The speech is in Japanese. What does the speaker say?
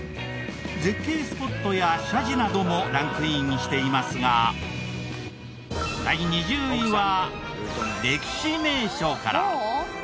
絶景スポットや社寺などもランクインしていますが第２０位は歴史名所から。